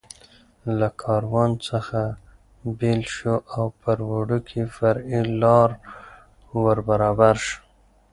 له کاروان څخه بېل شو او پر وړوکې فرعي لار ور برابر شو.